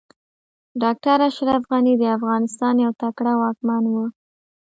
ډاکټر اشرف غني د افغانستان يو تکړه واکمن و